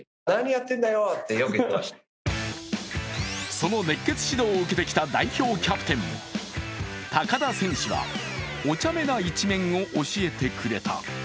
その熱血指導を受けてきた代表キャプテン、高田選手は、おちゃめな一面を教えてくれた。